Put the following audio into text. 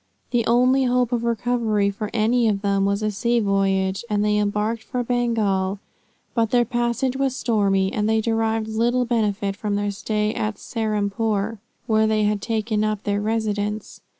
The only hope of recovery for any of them was a sea voyage, and they embarked for Bengal, but their passage was stormy, and they derived little benefit from their stay at Serampore, where they had taken up their residence.